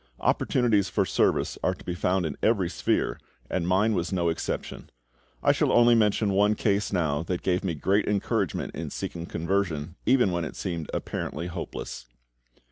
Opportunities for service are to be found in every sphere, and mine was no exception. I shall only mention one case now that gave me great encouragement in seeking conversion even when it seemed apparently hopeless.